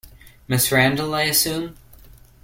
Ms Randall, I assume?